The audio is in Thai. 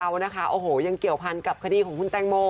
คุณแตงโมเป็นตอนเดียวมันยังเกี่ยวพันจะด้วยคดีของคุณแตงโม